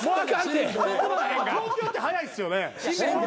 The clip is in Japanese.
東京って早いんすよね？